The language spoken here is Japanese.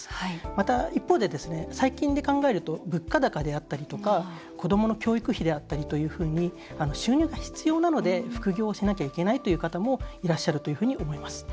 また一方で、最近で考えると物価高であったりとか、子どもの教育費であったりというふうに収入が必要なので副業しなきゃいけないという方もいらっしゃるというふうに思います。